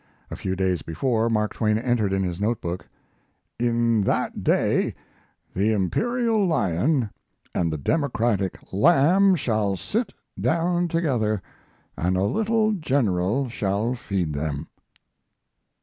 A few days before, Mark Twain entered in his note book: In that day the Imperial lion and the Democratic lamb shall sit down together, and a little General shall feed them.